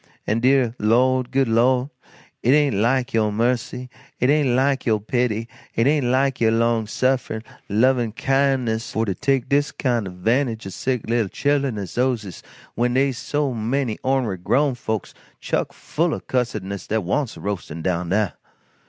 An' deah Lord, good Lord, it ain't like yo' mercy, it ain't like yo' pity, it ain't like yo' long sufferin' lovin' kindness for to take dis kind o' 'vantage o' sick little chil'en as dose is when dey's so many ornery grown folks chuck full o' cussedness dat wants roastin' down dah.